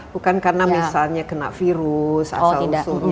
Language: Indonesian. bukan karena misalnya kena virus asal usulnya